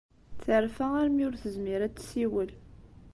Terfa armi ur tezmir ad tessiwel.